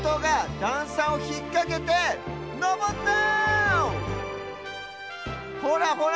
だんさをひっかけてのぼってる！